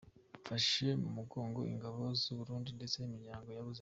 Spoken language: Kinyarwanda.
Mfashe mu mugongo ingabo z’u Burundi ndetse n’imiryango yabuze abayo.